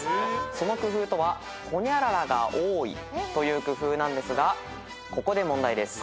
その工夫とはホニャララが多いという工夫なんですがここで問題です。